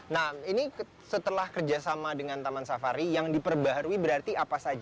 nah ini setelah kerjasama dengan taman safari yang diperbaharui berarti apa saja